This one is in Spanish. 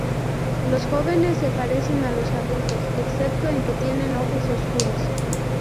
Los jóvenes se parecen a los adultos, excepto en que tienen ojos oscuros.